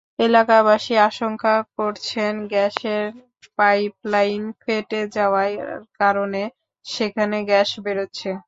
এলাকাবাসী আশঙ্কা করছেন, গ্যাসের পাইপলাইন ফেটে যাওয়ার কারণে সেখানে গ্যাস বেরোচ্ছে।